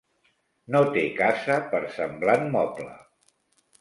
No té casa per semblant moble.